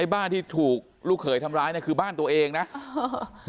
ไอ้บ้านที่ถูกลูกเขยทำร้ายน่ะคือบ้านตัวเองน่ะอ่า